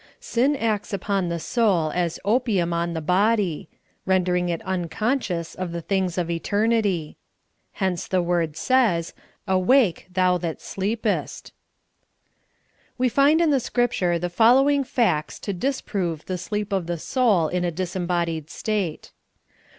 Sin acts upon the soul as opium on the body, rendering it unconscious of the things of CONCERNING SOUI. SLEEPING. 93 . eternit}'. Hence the word sa3\s, "Awake, thou that sleepest !" We find in the Scripture the following facts to divS prove the .sleep of the soul in a disembodied state